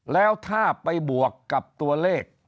แล้วถ้าไปบวกกับตัวเลข